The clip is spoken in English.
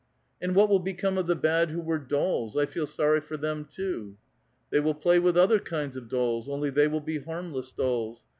"And what will become of the bad who were dolls? I feel soiTy for them, too !" They will play with other kinds of dolls, only they will be harmless dolls.